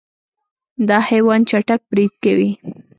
دا حیوان چټک برید کوي.